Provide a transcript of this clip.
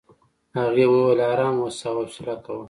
هغې وویل ارام اوسه او حوصله کوه.